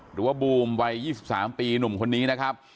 หรือว่าบูมวัยยี่สิบสามปีหนุ่มคนนี้นะครับ